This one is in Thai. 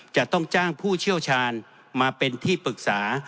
จะต้องจ้างผู้เชี่ยวชาญมาเป็นที่ปรึกษา